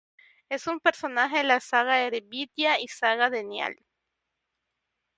Es un personaje de la "saga Eyrbyggja", y saga de Njál.